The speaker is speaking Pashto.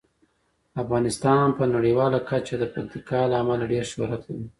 افغانستان په نړیواله کچه د پکتیکا له امله ډیر شهرت لري.